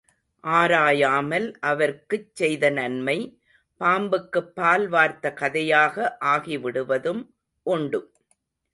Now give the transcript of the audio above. ஆராயாமல் அவர்க்குச் செய்த நன்மை, பாம்புக்குப் பால் வார்த்த கதையாக ஆகிவிடுவதும் உண்டு.